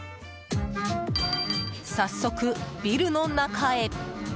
早速、ビルの中へ。